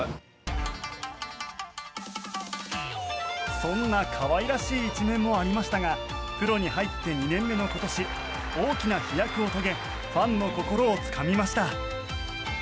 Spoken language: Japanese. そんな可愛らしい一面もありましたがプロに入って２年目の今年大きな飛躍を遂げファンの心をつかみました。